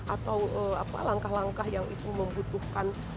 atau langkah langkah yang itu membutuhkan